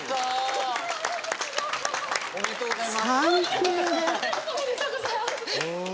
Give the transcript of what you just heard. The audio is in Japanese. これが！おめでとうございます！